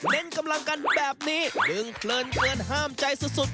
กำลังกันแบบนี้ดึงเพลินเกินห้ามใจสุด